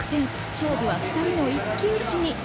勝負は２人の一騎打ちに。